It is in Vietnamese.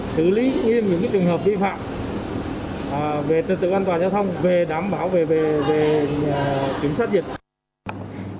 xử lý nghiêm những trường hợp vi phạm về trật tự an toàn giao thông về đảm bảo về kiểm soát dịch